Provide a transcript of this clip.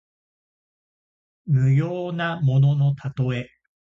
無用なもののたとえ。